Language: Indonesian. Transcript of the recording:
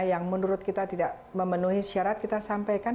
yang menurut kita tidak memenuhi syarat kita sampaikan